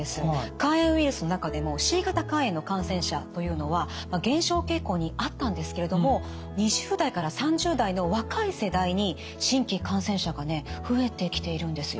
肝炎ウイルスの中でもＣ型肝炎の感染者というのは減少傾向にあったんですけれども２０代から３０代の若い世代に新規感染者がね増えてきているんですよ。